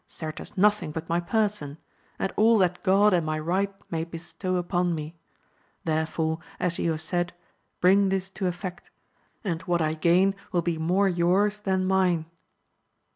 certes nothing but my person, and all that God and my right may bestow upon me ; therefore, as you have said, bring this to effect, and what I gain will be more yours than mine.